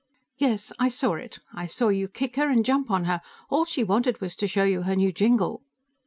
"Yes, I saw it. I saw you kick her and jump on her. And all she wanted was to show you her new jingle."